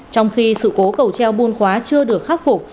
trong khi sự cố cầu treo bùn khóa chưa được khắc phục